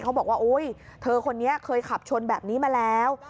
บอกว่าโอ๊ยเธอคนนี้เคยขับชนแบบนี้มาแล้ว